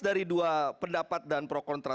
dari dua pendapat dan pro kontra